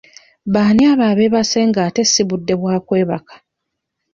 B'ani abo abeebase nga ate si budde bwa kwebaka?